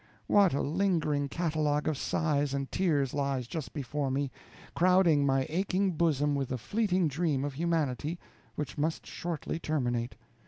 What a lingering catalogue of sighs and tears lies just before me, crowding my aching bosom with the fleeting dream of humanity, which must shortly terminate.